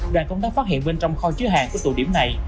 đoàn công tác phát hiện bên trong kho chứa hàng của tụ điểm này